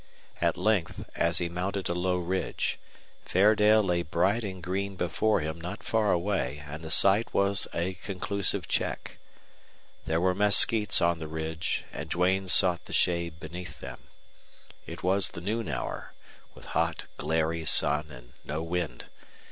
At length, as he mounted a low ridge, Fairdale lay bright and green before him not far away, and the sight was a conclusive check. There were mesquites on the ridge, and Duane sought the shade beneath them. It was the noon hour, with hot, glary sun and no wind.